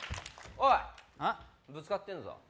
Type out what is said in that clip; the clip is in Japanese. おいぶつかってんぞあっ？